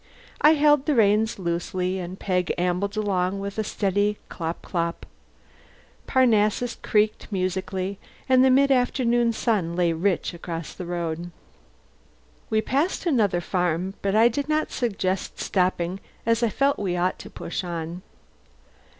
I held the reins loosely, and Peg ambled along with a steady clop clop. Parnassus creaked musically, and the mid afternoon sun lay rich across the road. We passed another farm, but I did not suggest stopping as I felt we ought to push on.